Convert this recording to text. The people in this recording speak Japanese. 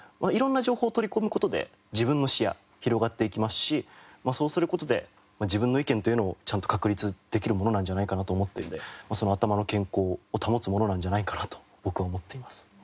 色んな情報を取り込む事で自分の視野広がっていきますしそうする事で自分の意見というのをちゃんと確立できるものなんじゃないかなと思っているので頭の健康を保つものなんじゃないかなと僕は思っています。